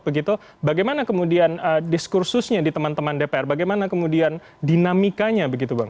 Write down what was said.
bagaimana kemudian diskursusnya di teman teman dpr bagaimana kemudian dinamikanya